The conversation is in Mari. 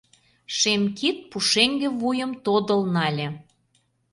Шем кид пушеҥге вуйым тодыл нале.